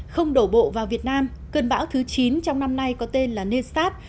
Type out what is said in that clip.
không đổ bộ vào việt nam cơn bão thứ chín trong năm nay có tên là nessat